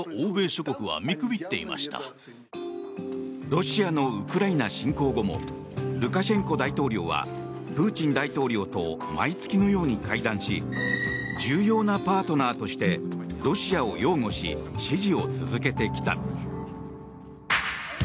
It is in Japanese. ロシアのウクライナ侵攻後もルカシェンコ大統領はプーチン大統領と毎月のように会談し重要なパートナーとしてロシアを擁護し支持を続けてきた。